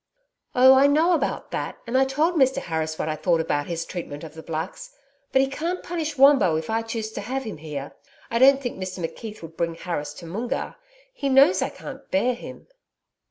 'Oh, I know about that and I told Mr Harris what I thought about his treatment of the Blacks. But he can't punish Wombo if I choose to have him here. I don't think Mr McKeith would bring Harris to Moongarr he knows I can't bear him.'